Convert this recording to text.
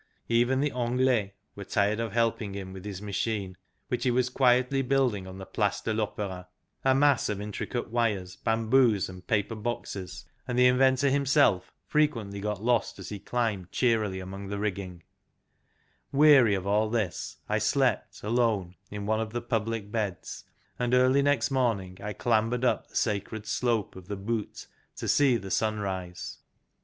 Even the " Anglais " were tired of helping him with his machine, which he was quietly building on the Place de 1'OpeVa a mass of intricate wires, bamboos, and paper boxes; and the inventor himself frequently got lost as he climbed cheerily among the rigging. 20 THE LAST GENERATION Weary of all this, I slept, alone, in one of the public beds, and early next morning I clambered up the sacred slope of the Butte to see the sunrise.